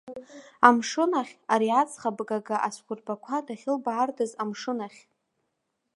Амшын ахь, ари аӡӷаб гага ацәқәырԥақәа дахьылбаардаз амшын ахь.